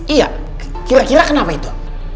iya kira kira kenapa itu